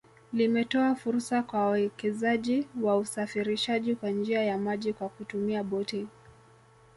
Limetoa fursa kwa wawekezaji wa usafirishaji kwa njia ya maji kwa kutumia boti